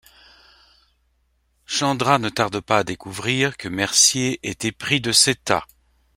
Chandra ne tarde pas à découvrir que Mercier est épris de Seetha.